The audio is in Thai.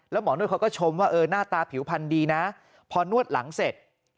แล้วหมอนวดเขาก็ชมว่าเออหน้าตาผิวพันธุ์ดีนะพอนวดหลังเสร็จ